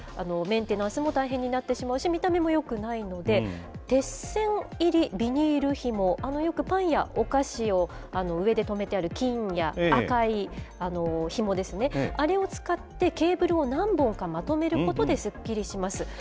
メンテナンスも大変になってしまうし、見た目もよくないので、鉄線入りビニールひも、よくパンやお菓子を上で留めてある金や赤いひもですね、あれを使って、ケーブルを何本かまとめることですっきりします。